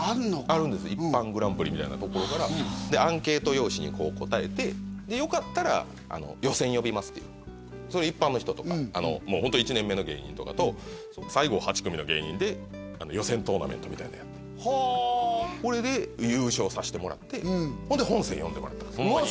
あるんです一般グランプリみたいなところからアンケート用紙にこう答えてよかったら予選呼びますっていうそれ一般の人とかホント１年目の芸人とかと最後８組の芸人で予選トーナメントみたいなのをやってそれで優勝さしてもらってほんで本戦呼んでもらったんですわあ